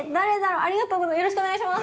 ありがとうございます